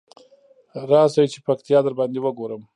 راشی چی پکتيا درباندې وګورم.